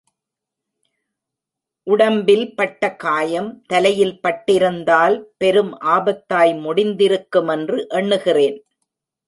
உடம்பில் பட்ட காயம் தலையில் பட்டிருந்தால் பெரும் ஆபத்தாய் முடிந்திருக்குமென்று எண்ணுகிறேன்.